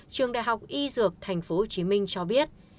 trường đại học y dược tp hcm cho biết